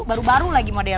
baru baru lagi model